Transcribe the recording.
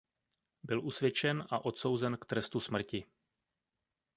Byl usvědčen a odsouzen k trestu smrti.